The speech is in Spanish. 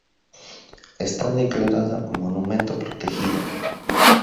Está declarada monumento protegido.